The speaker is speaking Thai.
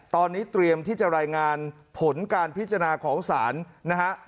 ตอนนี้เตรียมที่จะรายงานผลการพิจารณาของศาลนะฮะ